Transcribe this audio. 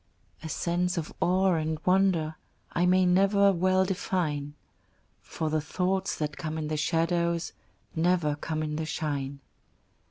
A sense of awe and of wonder I may never well define, For the thoughts that come in the shadows Never come in the shine.